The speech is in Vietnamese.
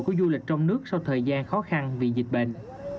của du lịch trong nước sau thời gian khó khăn vì dịch bệnh